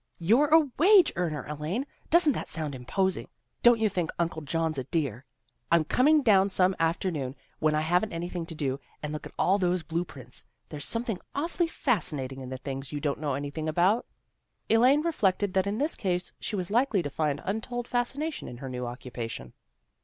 " You're a wage earner, Elaine. Doesn't that sound imposing? Don't you think Uncle John's a dear? I'm coming down some afternoon when I haven't anything to do, and look at all those blue prints. There's something awfully fascinating in the things you don't know anything about." Elaine reflected that in this case she was likely to find untold fascination in her new occupation.